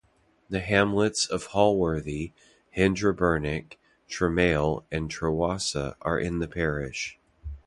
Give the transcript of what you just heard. The hamlets of Hallworthy, Hendraburnick, Tremail and Trewassa are in the parish.